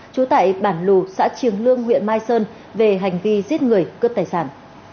trú tại bản lù xã triềng lương huyện mai sơn về hành vi giết người cướp tài sản